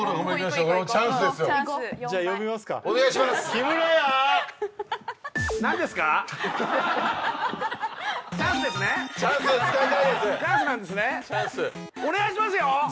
お願いしますよ